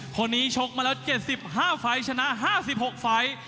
คนนี้ชกมาแล้ว๗๕ไฟล์ชนะ๕๖ไฟล์